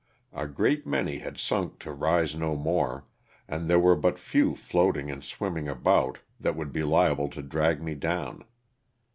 A great many had sunk to rise no more, and there were but few floating and swimming about that would be liable to drag me down.